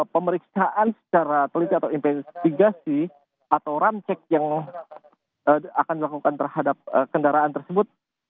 pemeriksaan secara teliti atau investigasi atau ramcek yang akan dilakukan terhadap kendaraan tersebut